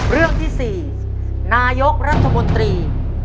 เรื่องที่๔นายกรัฐมนตรี